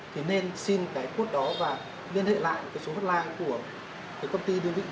thì nên xin cái cốt đó và liên hệ lại cái số hotline của cái công ty lừa đảo lữ hành